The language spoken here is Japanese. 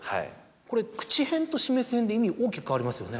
これくちへんとしめすへんで意味大きく変わりますよね。